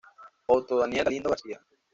Otto Daniel Galindo García.